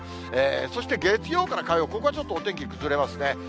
そして月曜から火曜、ここはちょっとお天気崩れますね。